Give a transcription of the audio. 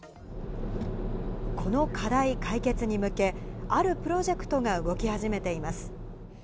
この課題解決に向け、あるプロジェクトが動き始めています。